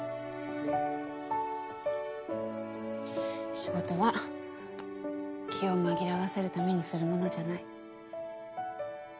仕事は気を紛らわせるためにするものじゃない。